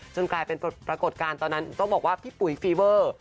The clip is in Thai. กลายเป็นปรากฏการณ์ตอนนั้นต้องบอกว่าพี่ปุ๋ยฟีเวอร์